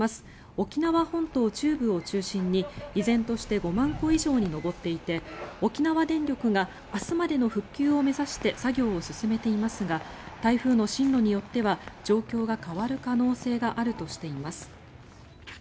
沖縄本島中部を中心に依然として５万戸以上に上っていて沖縄電力が明日までの復旧を目指して作業を進めていますが台風の進路によっては状況が変わる可能性があるとしています。